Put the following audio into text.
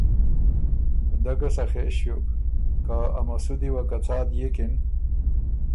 دۀ ګۀ سخے ݭیوک، که ا مسُودی وه که څا دئېکِن